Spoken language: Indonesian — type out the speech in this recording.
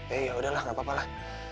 eh yaudah lah nggak apa apa lah